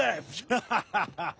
ハハハハ！